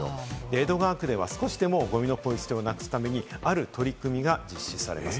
江戸川区では少しでもゴミのポイ捨てをなくすために、ある取り組みが実施されます。